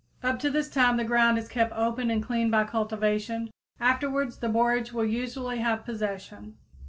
Up to this time the ground is kept open and clean by cultivation; afterwards the borage will usually have possession.